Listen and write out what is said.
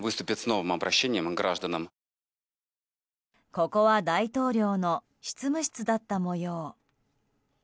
ここは大統領の執務室だった模様。